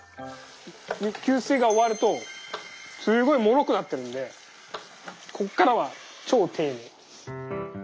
吸水が終わるとすごいもろくなってるんでこっからは超丁寧に。